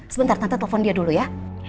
sebentar tante telepon dia dulu ya